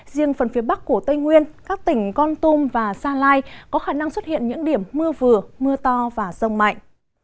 riêng phần phía bắc của tây nguyên các tỉnh con tum và sa lai có khả năng xuất hiện những điểm mưa vừa mưa to và rông mạnh